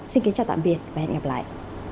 xin chào tạm biệt và hẹn gặp lại